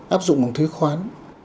áp dụng một thuế khoán